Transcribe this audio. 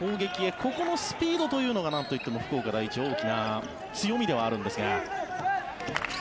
ここのスピードというのがなんといっても福岡第一大きな強みではあるんですが。